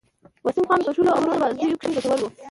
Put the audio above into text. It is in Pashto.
وسیم خان په شلو آورونو بازيو کښي ګټور وو.